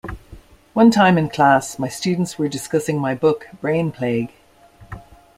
"One time in class, my students were discussing my book "Brain Plague".